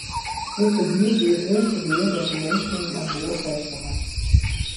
Dit gebiet wie it earste gea dêr't de minske him as boer fêstige.